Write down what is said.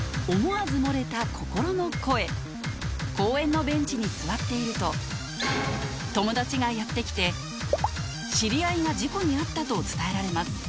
公園のベンチに座っていると友達がやって来て知り合いが事故に遭ったと伝えられます